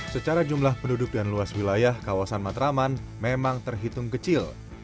secara jumlah penduduk dan luas wilayah kawasan matraman memang terhitung kecil